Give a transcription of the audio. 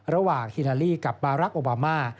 ระหว่างฮิลาลีกับบารักษ์โอบามา